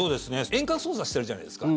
遠隔操作してるじゃないですか。